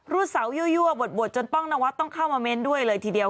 เสายั่วบทจนป้องนวัดต้องเข้ามาเม้นด้วยเลยทีเดียว